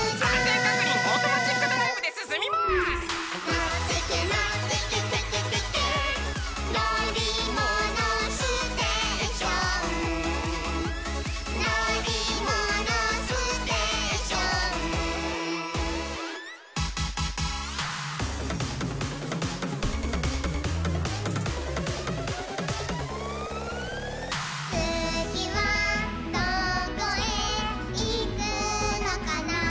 「のってけのってけテケテケ」「のりものステーション」「のりものステーション」「つぎはどこへいくのかな」